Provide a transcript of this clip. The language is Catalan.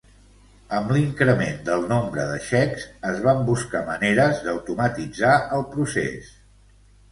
Amb l'increment del nombre de xecs, es van buscar maneres d'automatitzar el procés.